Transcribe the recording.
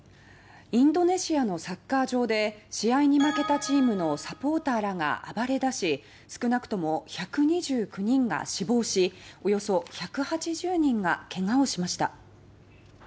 インドネシアのサッカー場で試合に負けたチームのサポーターらが暴れ出し少なくとも１２９人が死亡しおよそ１８０人がけがをしました。